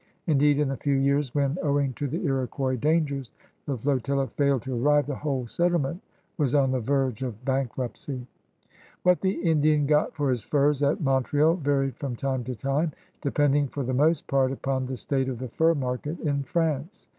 Indeed, in the few years when, owing to the Iroquois dangers, the flotilla failed to arrive, the whole settlement was on the verge of bankruptcy. THE COUREUBS DE BOIS 169 What the Indian got for his furs at Montreal varied from time to time, depending for the most part upon the state of the fur market in France.